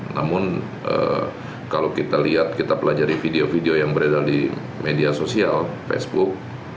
namun kalau kita lihat kita pelajari video video yang beredar di media sosial facebook